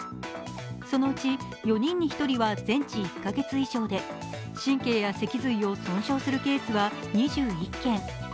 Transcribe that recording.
そのうち、４人に１人は全治１カ月以上で神経や脊髄を損傷するケースは２１件。